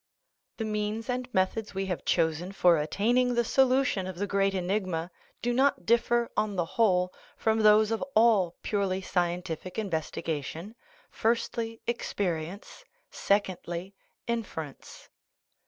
The means and methods we have chosen for attain ing the solution of the great enigma do not differ, on the whole, from those of all purely scientific investiga tion firstly, experience; secondly, inference.